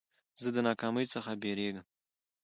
زه د ناکامۍ څخه بېرېږم.